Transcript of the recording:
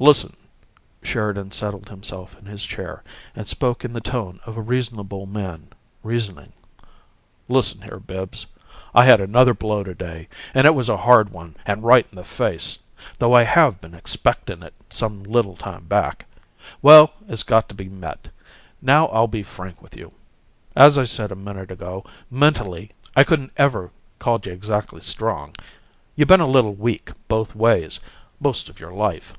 "Listen." Sheridan settled himself in his chair, and spoke in the tone of a reasonable man reasoning. "Listen here, Bibbs. I had another blow to day, and it was a hard one and right in the face, though I HAVE been expectin' it some little time back. Well, it's got to be met. Now I'll be frank with you. As I said a minute ago, mentally I couldn't ever called you exactly strong. You been a little weak both ways, most of your life.